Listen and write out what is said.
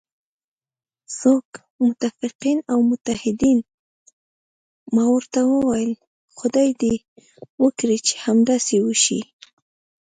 څوک؟ متفقین او متحدین، ما ورته وویل: خدای دې وکړي چې همداسې وشي.